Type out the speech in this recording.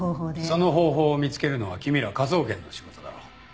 その方法を見つけるのは君ら科捜研の仕事だろう。